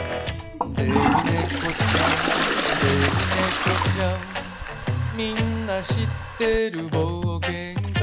「デブ猫ちゃんデブ猫ちゃん」「みんな知ってる冒険家」